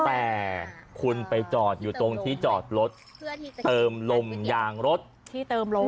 แต่คุณไปจอดอยู่ตรงที่จอดรถเพื่อเติมลมยางรถที่เติมลม